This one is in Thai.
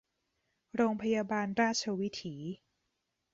โรงพยาบาลราชวิถี